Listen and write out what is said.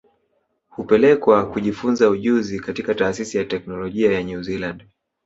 Hupelekwa kujifunza ujuzi katika Taasisi ya Teknolojia ya New Zealand